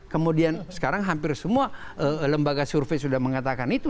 kemudian sekarang hampir semua lembaga survei sudah mengatakan itu